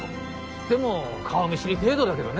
つっても顔見知り程度だけどね。